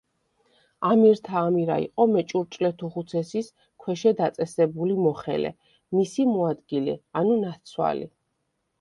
ამირთა ამირა იყო მეჭურჭლეთუხუცესის „ქვეშე დაწესებული“ მოხელე, მისი მოადგილე ანუ „ნაცვალი“.